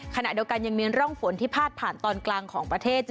ขณะเดียวกันยังมีร่องฝนที่พาดผ่านตอนกลางของประเทศ